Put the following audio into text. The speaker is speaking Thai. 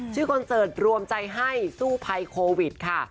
คอนเสิร์ตรวมใจให้สู้ภัยโควิดค่ะ